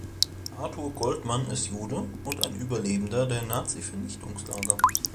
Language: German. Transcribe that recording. Arthur Goldman ist Jude und ein Überlebender der Nazivernichtungslager.